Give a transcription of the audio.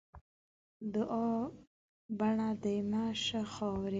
دوعا؛ بڼه دې مه شه خاوري.